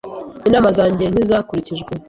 Inama zanjye ntizakurikijwe.